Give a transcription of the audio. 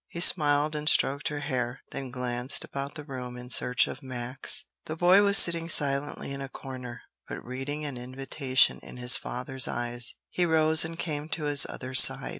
He smiled and stroked her hair, then glanced about the room in search of Max. The boy was sitting silently in a corner, but reading an invitation in his father's eyes, he rose and came to his other side.